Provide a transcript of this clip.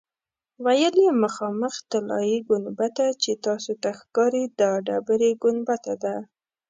ویل یې مخامخ طلایي ګنبده چې تاسو ته ښکاري دا ډبرې ګنبده ده.